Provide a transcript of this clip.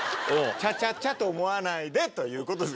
「チャチャチャと思わないで」ということで。